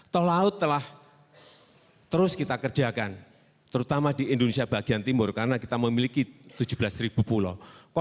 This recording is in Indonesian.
tol laut telah terus kita kerjakan terutama di indonesia bagian timur karena kita memiliki tujuh belas pulau